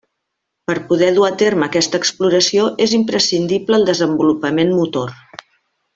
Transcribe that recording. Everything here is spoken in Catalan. Per poder dur a terme aquesta exploració és imprescindible el desenvolupament motor.